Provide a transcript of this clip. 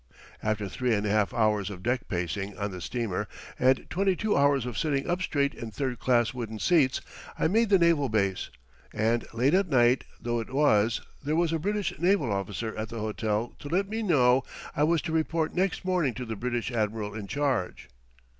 After three and a half hours of deck pacing on the steamer, and twenty two hours of sitting up straight in third class wooden seats, I made the naval base; and late at night though it was, there was a British naval officer at the hotel to let me know I was to report next morning to the British admiral in charge.